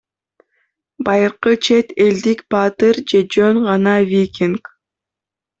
Байыркы чет элдик баатыр же жөн гана викинг.